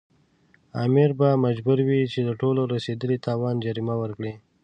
امیر به مجبور وي چې د ټولو رسېدلي تاوان جریمه ورکړي.